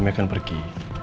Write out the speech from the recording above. kami akan pergi